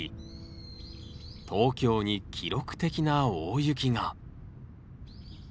東京に記録的な大雪が。